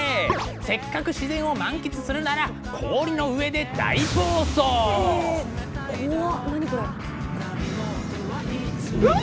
せっかく自然を満喫するなら氷の上でえ怖っ。